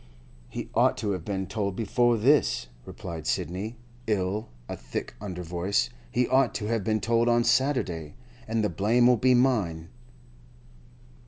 'He ought to have been told before this,' replied Sidney, in a thick under voice. 'He ought to have been told on Saturday. And the blame'll be mine.